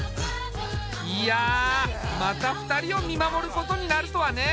いやまた２人を見守ることになるとはね。